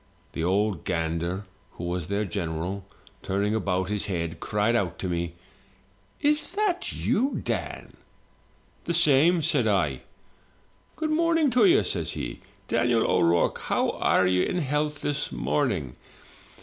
The ould gander, who was their general, turning about his head, cried out to me, *Is that you, Dan?' " 'The same,' said I. " 'Good morrow to you,' says he, 'Daniel O'Rourke; how are you in health this morning?'